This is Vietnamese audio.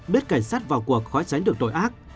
biết cảnh sát vào cuộc khó tránh được tội ác